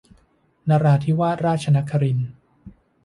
นราธิวาสราชนครินทร์